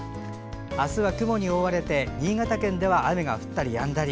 あすは雲に覆われて、新潟県では雨が降ったりやんだり。